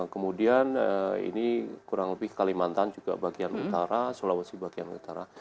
kemudian ini kurang lebih kalimantan juga bagian utara sulawesi bagian utara